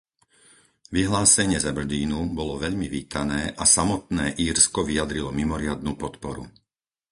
Vyhlásenie z Aberdeenu bolo veľmi vítané a samotné Írsko vyjadrilo mimoriadnu podporu.